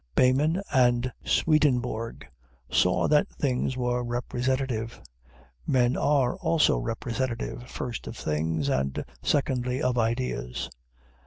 Behmen and Swedenborg saw that things were representative. Men are also representative; first, of things, and secondly, of ideas.